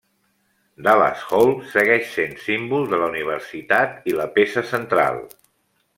Dallas Hall segueix sent símbol de la universitat i la peça central.